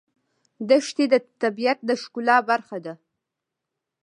دښتې د طبیعت د ښکلا برخه ده.